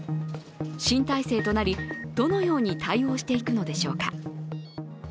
新体制となり、どのように対応していくのでしょうか。